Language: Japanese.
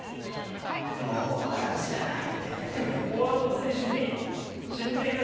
もう笑うしかない。